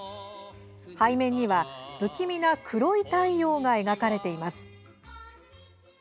背面には、不気味な黒い太陽が描かれています。